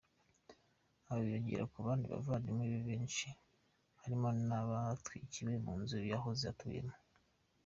Abo biyongera ku bandi bavandimwe be benshi harimo n’abatwikiwe mu nzu yahoze atuyemo.